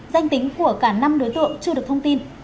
danh tính của cả năm đối tượng chưa được thông tin